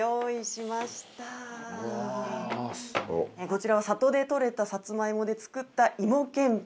こちらは里で取れたさつま芋で作った芋けんぴ。